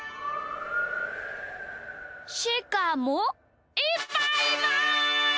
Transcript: しかもいっぱいいます！